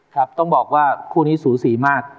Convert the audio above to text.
ครับต้องบอกว่าคู่นี้สูสีมาก